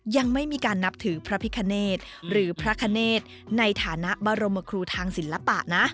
ยังไม่มีการนับถือพระพิคเนธหรือพระคเนธในฐานะบรมครูทางศิลปะนะ